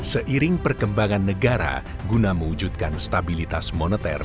seiring perkembangan negara guna mewujudkan stabilitas moneter